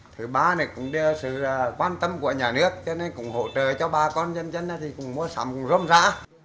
thứ ba này cũng đưa sự quan tâm của nhà nước cho nên cũng hỗ trợ cho bà con dân dân thì cũng mua sắm cũng rôm rã